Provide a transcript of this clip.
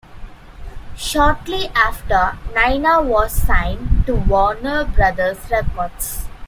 Shortly after, Nina was signed to Warner Brothers Records.